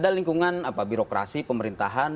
ada lingkungan birokrasi pemerintahan